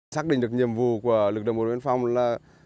xác định được nhiệm vụ của lực lượng bộ đội biên phòng là